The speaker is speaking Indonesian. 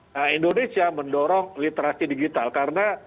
nah indonesia mendorong literasi digital karena